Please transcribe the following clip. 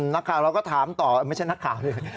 นักข่าวเราก็ถามต่อไม่ใช่นักข่าวเลย